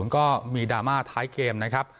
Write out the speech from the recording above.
ก็มีดราม่าท้ายเกมนะครับ